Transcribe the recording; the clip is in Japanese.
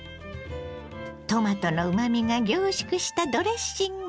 トマトのうまみが凝縮したドレッシング。